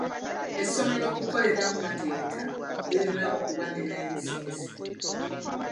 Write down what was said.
Essomero okukolera mu mateeta lirina okuba ne layisinsi.